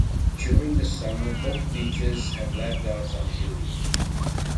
During the summer, both beaches have life guards on duty.